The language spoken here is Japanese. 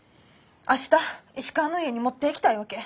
明日石川の家に持っていきたいわけ。